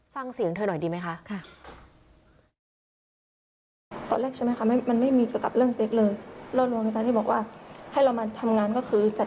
ฟังเสียงเธอหน่อยดีไหมคะ